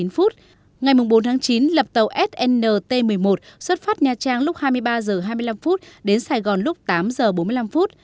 ngày bốn tháng chín lập tàu snt một mươi một xuất phát nha trang lúc hai mươi ba h hai mươi năm đến sài gòn lúc tám giờ bốn mươi năm phút